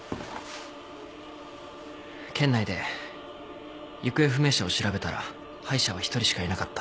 県内で行方不明者を調べたら歯医者は１人しかいなかった。